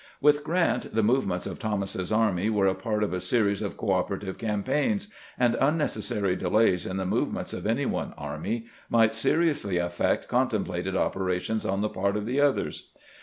"With Grant, the movements of Thomas's army were a part of a series of cooperative campaigns, and unnecessary delays in the movements of any one army might seriously affect contemplated oper ations on the part of the others.